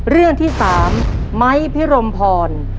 เรื่องที่๓ไม้พิรมพร